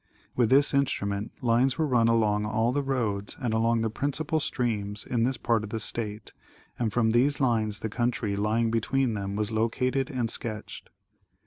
With this instrument lines were run along all the roads and along the principal streams in this part of the state and from these lines the country lying between them was located and sketched.